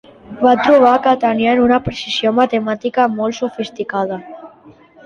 Va trobar que tenien una precisió matemàtica molt sofisticada.